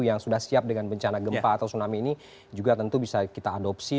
yang sudah siap dengan bencana gempa atau tsunami ini juga tentu bisa kita adopsi